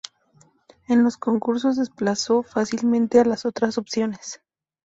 En los concursos desplazó fácilmente a las otras opciones.